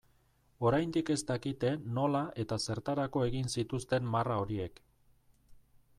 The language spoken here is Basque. Oraindik ez dakite nola eta zertarako egin zituzten marra horiek.